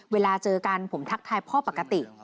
เวลาเจอกันผมทักทายพ่อปกติ